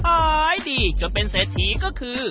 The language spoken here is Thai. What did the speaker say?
อายดีจนเป็นเสร็จถีก็คือ